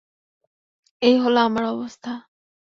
এই হলো আমার অবস্থা।